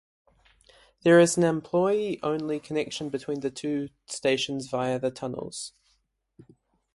There is an employee-only connection between the two stations via the tunnels.